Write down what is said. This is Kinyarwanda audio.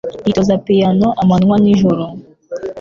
Yitoza piyano amanywa n'ijoro